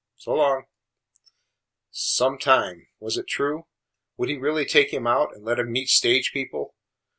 "So long." Some time. Was it true? Would he really take him out and let him meet stage people?